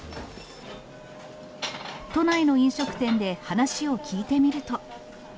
都内の飲食店で話を聞いてみると。